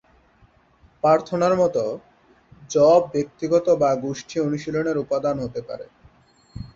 প্রার্থনার মতো, জপ ব্যক্তিগত বা গোষ্ঠী অনুশীলনের উপাদান হতে পারে।